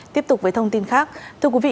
tiếp tục với thông tin khác thưa quý vị